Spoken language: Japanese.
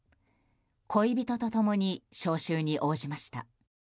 恋人と共に招集に応じました。